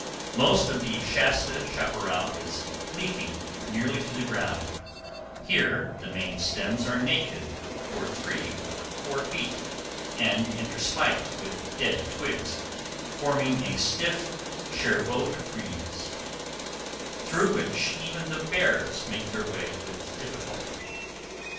Most of the Shasta chaparral is leafy nearly to the ground; here the main stems are naked for three or four feet, and interspiked with dead twigs, forming a stiff chevaux de frise through which even the bears make their way with difficulty.